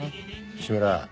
志村。